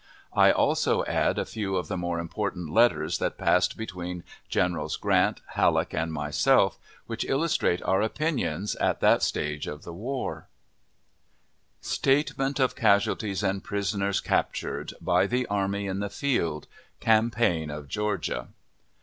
I also add a few of the more important letters that passed between Generals Grant, Halleck, and myself, which illustrate our opinions at that stage of the war: STATEMENT OF CASUALTIES AND PRISONERS CAPTURED BY THE ARMY IN THE FIELD, CAMPAIGN OF GEORGIA.